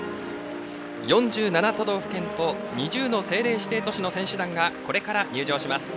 ４７都道府県と２０の政令指定都市の選手団がこれから入場します。